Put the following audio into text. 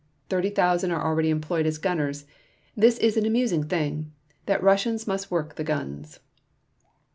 Thirty thousand are already employed as gunners. This is an amusing thing, that Russians must work the guns."